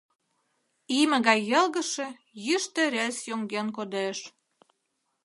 Име гай йылгыжше йӱштӧ рельс йоҥген кодеш.